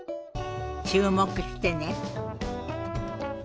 注目してね。